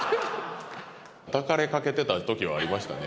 抱かれかけてた時はありましたね